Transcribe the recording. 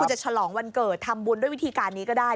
จะฉลองวันเกิดทำบุญด้วยวิธีการนี้ก็ได้